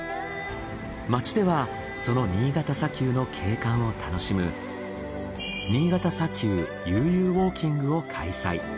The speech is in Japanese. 街ではその新潟砂丘の景観を楽しむ新潟砂丘遊々ウォーキングを開催。